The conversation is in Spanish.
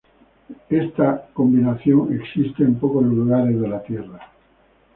Esta combinación existe en pocos lugares de la Tierra.